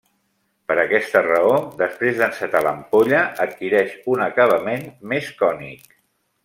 Per aquesta raó, després d'encetar l'ampolla adquireix un acabament més cònic.